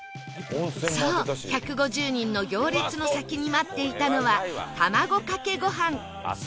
そう１５０人の行列の先に待っていたのはたまごかけごはん